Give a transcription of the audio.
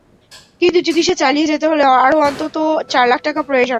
কিন্তু চিকিৎসা চালিয়ে যেতে হলে আরও অন্তত চার লাখ টাকা প্রয়োজন।